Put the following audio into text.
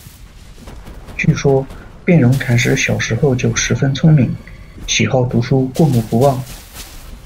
据说，遍融禅师小时候就十分聪敏，喜好读书，过目不忘。